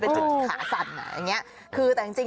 ไปด้วยกัน